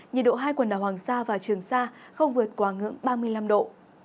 nhiệt độ hai quần đảo hoàng sa và trường sa không vượt quá ngưỡng ba mươi năm độ